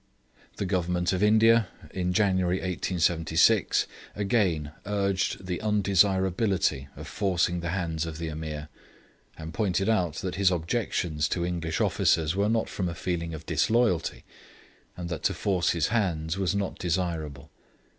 The Government of India, in January 1876, again urged the undesirability of forcing the hands of the Ameer, and pointed out that his objections to English officers were not from a feeling of disloyalty, and that to force his hands was not desirable.